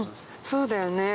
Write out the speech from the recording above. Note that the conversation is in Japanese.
そうだよね。